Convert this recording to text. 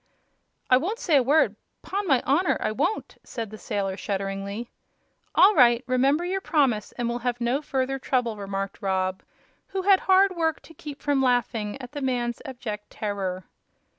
"I won't say a word 'pon my honor, I won't!" said the sailor shudderingly. "All right; remember your promise and we'll have no further trouble," remarked Rob, who had hard work to keep from laughing at the man's abject terror.